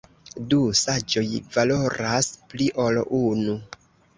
Du saĝoj valoras pli ol unu!